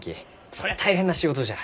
そりゃあ大変な仕事じゃ。